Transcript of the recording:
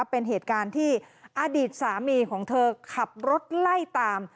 เป็นเหตุการณ์ที่อดีตสามีของเธอขับรถไล่ตาม